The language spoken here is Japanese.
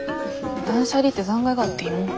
断捨離って残骸があっていいものなん？